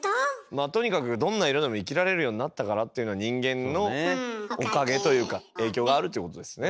まあとにかくどんな色でも生きられるようになったからというのは人間のおかげというか影響があるっていうことですね。